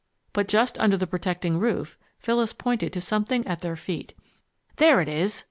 But just under the protecting roof, Phyllis pointed to something at their feet. "There it is!"